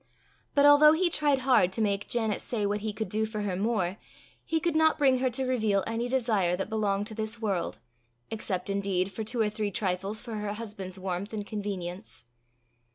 But although he tried hard to make Janet say what he could do for her more, he could not bring her to reveal any desire that belonged to this world except, indeed, for two or three trifles for her husband's warmth and convenience.